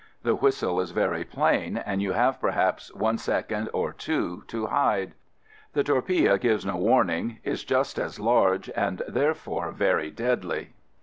The whistle is very plain, and you have perhaps one second or two to hide. The torpille gives no warning, is just as large, and, therefore, very deadly.